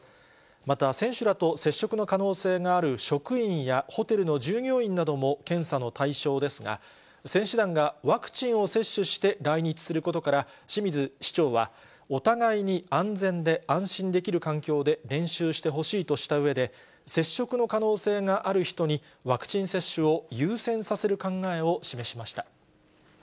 また、選手らと接触の可能性がある職員や、ホテルの従業員なども検査の対象ですが、選手団がワクチンを接種して来日することから、清水市長は、お互いに安全で安心できる環境で練習してほしいとしたうえで、接触の可能性がある人に、ワクチン接種を優先させる考えを示しました。